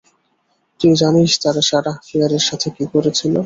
তুই জানিস তারা সারাহ ফিয়ারের সাথে কি করেছিল?